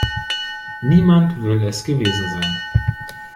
Niemand will es gewesen sein.